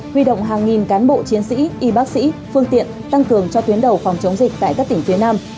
huy động hàng nghìn cán bộ chiến sĩ y bác sĩ phương tiện tăng cường cho tuyến đầu phòng chống dịch tại các tỉnh phía nam